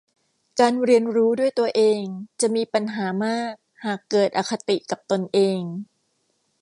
การเรียนรู้ด้วยตัวเองจะมีปัญหามากหากเกิดอคติกับตนเอง